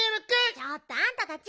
ちょっとあんたたち！